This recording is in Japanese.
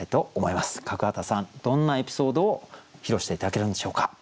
角幡さんどんなエピソードを披露して頂けるんでしょうか？